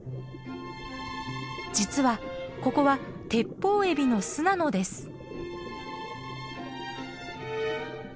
実はここはテッポウエビの巣なのです。